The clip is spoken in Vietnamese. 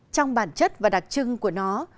trong bản chất và đặc trưng của nó